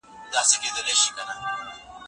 په ساینسي څېړنو کي د دواړو لورو ګډون وي.